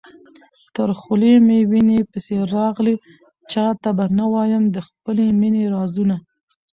تر خولې مي وېني پسي راغلې، چاته به نه وايم د خپل مېني رازونه